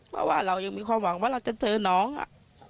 เพราะว่าเรายังมีความหวังว่าเราจะเจอน้องอ่ะ